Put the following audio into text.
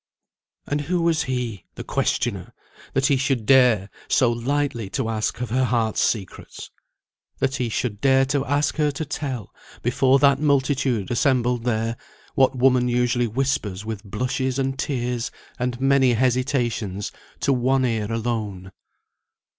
And who was he, the questioner, that he should dare so lightly to ask of her heart's secrets? That he should dare to ask her to tell, before that multitude assembled there, what woman usually whispers with blushes and tears, and many hesitations, to one ear alone?